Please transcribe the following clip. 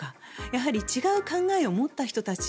やはり違う考えを持った人たち